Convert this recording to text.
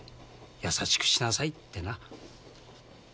やさしくしなさいってな。